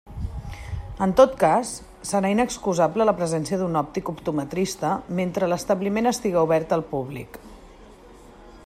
En tot cas, serà inexcusable la presència d'un òptic optometrista mentre l'establiment estiga obert al públic.